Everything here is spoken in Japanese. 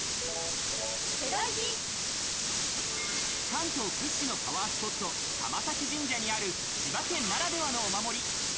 関東屈指のパワースポット、玉前神社にある千葉県ならではのお守り。